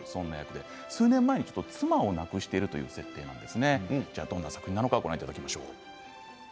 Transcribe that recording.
数年前に妻を亡くしているという設定です。